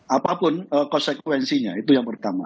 apapun konsekuensinya itu yang pertama